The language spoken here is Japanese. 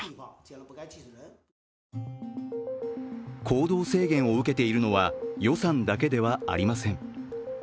行動制限を受けているのは余さんだけではありません。